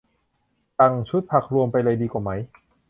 สั่งชุดผักรวมไปเลยดีกว่าไหม